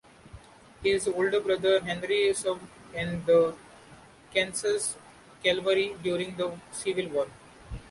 His older brother Henry served in the Kansas cavalry during the Civil War.